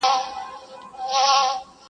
o د یارانو مو یو یو دادی کمېږي,